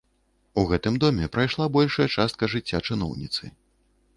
У гэтым доме прайшла большая частка жыцця чыноўніцы.